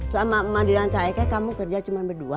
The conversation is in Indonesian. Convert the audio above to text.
selama mandiran ke aek kamu kerja cuma berdua